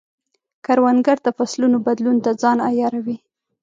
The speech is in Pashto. کروندګر د فصلونو بدلون ته ځان عیاروي